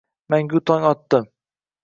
Mangu tong otdi.